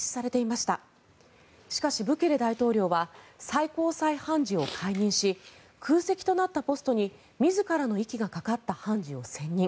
しかしブケレ大統領は最高裁判事を解任し空席となったポストに自らの息がかかった判事を選任。